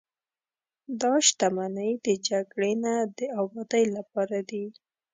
دا شتمنۍ د جګړې نه، د ابادۍ لپاره دي.